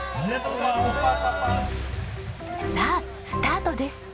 さあスタートです。